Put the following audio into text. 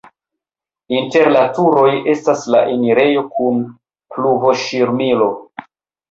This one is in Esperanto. Inter la turoj estas la enirejo kun pluvoŝirmilo.